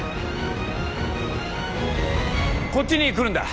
こっちに来るんだ。